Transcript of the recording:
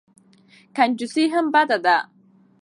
کنجوسي هم بده ده.